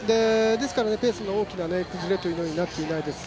ですからペースの大きな崩れにはなってないです。